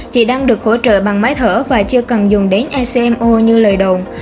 chị đang được hỗ trợ bằng máy thở và chưa cần dùng đến ecmo như lời đồn